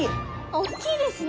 おっきいですね。